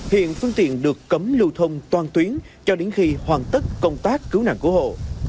hiện phương tiện được cấm lưu thông toàn tuyến cho đến khi hoàn tất công tác cứu nạn cứu hộ